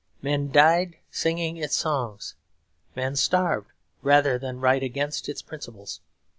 Men died singing its songs; men starved rather than write against its principles.